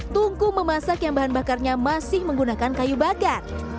tunku memasak yang bahan bakarnya masih menggunakan kayu bagan